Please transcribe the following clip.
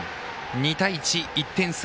２対１、１点差。